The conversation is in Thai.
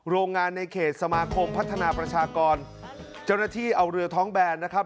โรงงานในเขตสมาคมพัฒนาประชากรเจ้าหน้าที่เอาเรือท้องแบนนะครับ